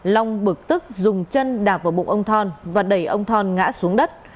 long bực tức dùng chân đạp vào bụng ông thon và đẩy ông thon ngã xuống đất